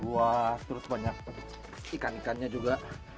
buah terus banyak ikan ikannya juga